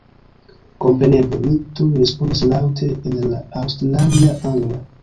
Kompreneble mi tuj respondis laŭte en la aŭstralia angla.